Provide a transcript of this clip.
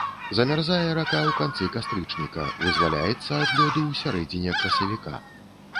Замярзае рака ў канцы кастрычніка, вызваляецца ад лёду ў сярэдзіне красавіка.